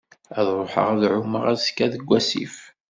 Ad ruḥeɣ ad εummeɣ azekka deg wasif.